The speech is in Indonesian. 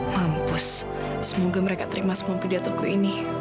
mah semoga mereka terima semua pilihan tokoh ini